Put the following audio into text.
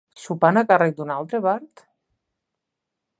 Sopant a càrrec d'un altre, Bart?